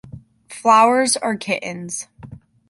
Flowers are kittens.